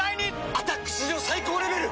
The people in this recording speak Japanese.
「アタック」史上最高レベル！